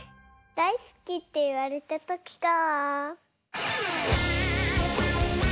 「だいすき」っていわれたときか。